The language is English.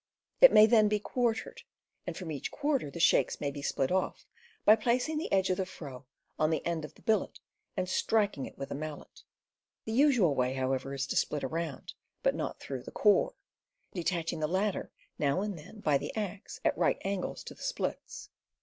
It may then be quartered, and from each quarter the shakes may be split off by placing the edge of the froe on the end of the billet and striking it with a mallet. The usual way, however, is to split around, but not through the core, detaching the latter now and then by the axe at right angles to the splits.